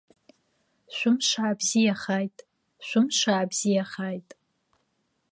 Шәымш аабзиахааит, шәымш аабзиахааит!